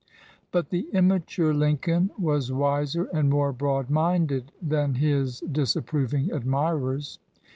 But the immature Lincoln was wiser and more broad minded than his disapproving admirers.